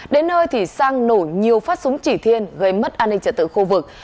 đến nơi thì sang nổ nhiều phát súng chỉ thiên gây mất an ninh trật tự khu vực